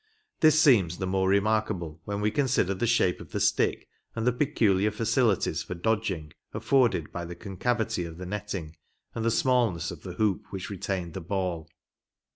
This seems the more remarkable when we consider the shape of the stick, and the peculiar facilities for dodging, aflforded by the concavity of the netting and the smallness of the hoop which retained the ball.